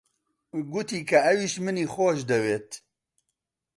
گوتی کە ئەویش منی خۆش دەوێت.